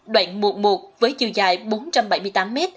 đoạn một một với chiều dài bốn trăm bảy mươi tám m